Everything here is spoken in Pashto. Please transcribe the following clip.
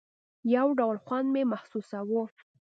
يو ډول خوند مې محسوساوه.